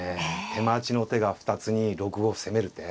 手待ちの手が２つに６五歩攻める手。